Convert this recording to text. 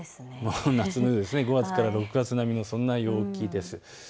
５月から６月並みのそんな陽気です。